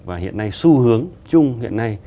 và hiện nay xu hướng chung hiện nay